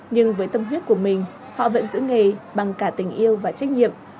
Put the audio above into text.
nhưng với tâm huyết của mình họ vẫn giữ nghề bằng cả tình yêu và trách nhiệm